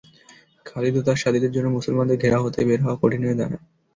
খালিদ ও তার সাথিদের জন্য মুসলমানদের ঘেরাও হতে বের হওয়া কঠিন হয়ে দাঁড়ায়।